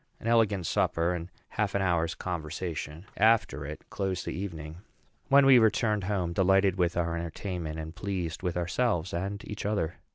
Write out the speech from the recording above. An elegant supper, and half an hour's conversation after it, closed the evening; when we returned home, delighted with our entertainment, and pleased with ourselves and each other.